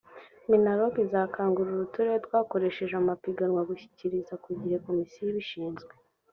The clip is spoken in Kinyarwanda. minaloc izakangurira uturere twakoresheje amapiganwa gushyikiriza ku gihe komisiyo ibishinzwe